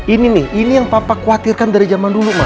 ini nih ini yang papa khawatirkan dari zaman dulu mas